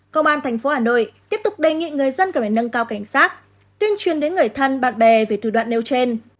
công an tp hà nội tiếp tục đề nghị người dân cần phải nâng cao cảnh giác tuyên truyền đến người thân bạn bè về thủ đoạn nêu trên